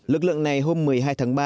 lực lượng này hôm một mươi hai tháng ba